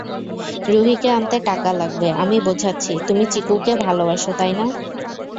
রুহিকে আনতে টাকা লাগবে, আমি বোঝাচ্ছি, তুমি চিকুকে ভালোবাসো, তাইনা?